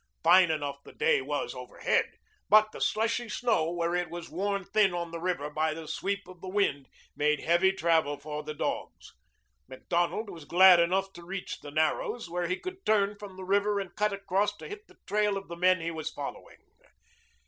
Fine enough the day was overhead, but the slushy snow, where it was worn thin on the river by the sweep of the wind, made heavy travel for the dogs. Macdonald was glad enough to reach the Narrows, where he could turn from the river and cut across to hit the trail of the men he was following.